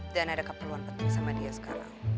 dan ada keperluan penting sama dia sekarang